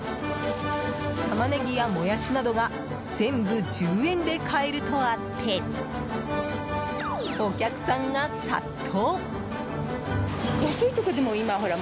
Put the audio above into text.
タマネギやモヤシなどが全部１０円で買えるとあってお客さんが殺到！